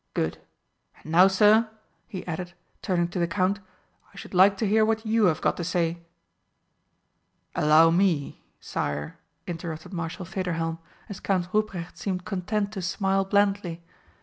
Good. And now, sir," he added, turning to the Count, "I should like to hear what you have got to say." "Allow me, sire," interrupted Marshal Federhelm, as Count Ruprecht seemed content to smile blandly.